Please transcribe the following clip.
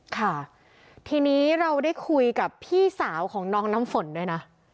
ค่ะทีนี้เราได้คุยกับพี่สาวของน้องน้ำฝนด้วยนะ